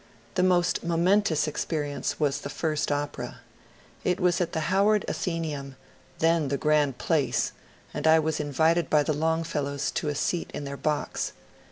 The most momentous experience was the first opera. It was at the Howard Athenaeum, then the grand place, and I was invited by the Longfellows to a seat in their box.